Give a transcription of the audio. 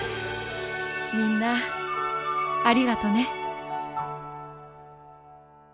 みんなありがとね。